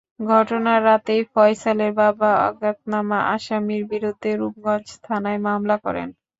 ঘটনার রাতেই ফয়সালের বাবা অজ্ঞাতনামা আসামিদের বিরুদ্ধে রূপগঞ্জ থানায় মামলা করেন।